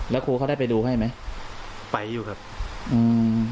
แล้วครูเขาได้ไปดูให้ไหมไปอยู่ครับอืม